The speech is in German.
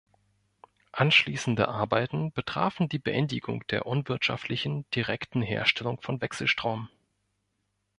Anschließende Arbeiten betrafen die Beendigung der unwirtschaftlichen direkten Herstellung von Wechselstrom.